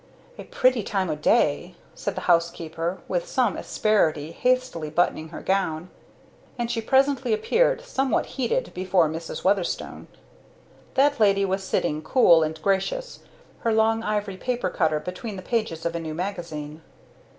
"A pretty time o' day!" said the housekeeper with some asperity, hastily buttoning her gown; and she presently appeared, somewhat heated, before Mrs. Weatherstone. That lady was sitting, cool and gracious, her long ivory paper cutter between the pages of a new magazine.